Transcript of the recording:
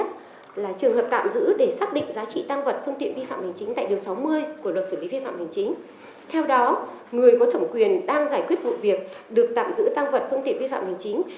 theo đó người có thẩm quyền đang giải quyết vụ việc được tạm giữ tăng vật phương tiện vi phạm hành chính